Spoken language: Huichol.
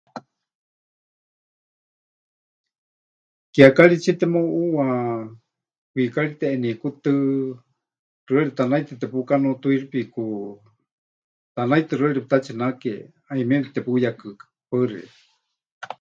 Kiekaritsie temeuʼuuwa kwikari teʼeniekútɨ, xɨari tanaitɨ tepukanuutuixipiku, tanaitɨ xɨari pɨtatsinake, hayumieme tepuyekɨka. Paɨ xeikɨ́a.